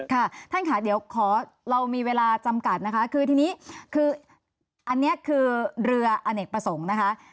ค่ะท่านค่ะเดี๋ยวขอเรามีเวลาจำกัดนะคะคือทีนี้คืออันนี้คือเรืออเนกประสงค์นะคะ